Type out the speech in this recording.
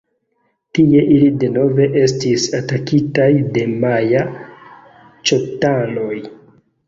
Tie ili denove estis atakitaj de maja-ĉontaloj.